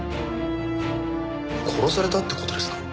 殺されたって事ですか？